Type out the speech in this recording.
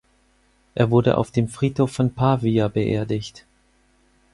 Er wurde auf dem Friedhof von Pavia beerdigt.